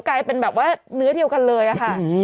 กลายเป็นแบบว่าเนื้อเดียวกันเลยอะค่ะ